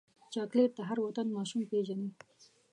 چاکلېټ د هر وطن ماشوم پیژني.